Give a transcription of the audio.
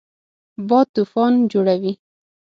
باد طوفان جوړوي